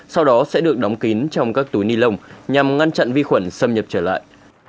sau đó sẽ được đóng kín trong các túi ni lông nhằm ngăn chặn vi khuẩn xâm nhập trở lại